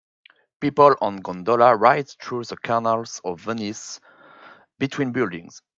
People on gondola rides through the canals of Venice between buildings.